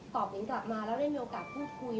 หญิงกลับมาแล้วได้มีโอกาสพูดคุย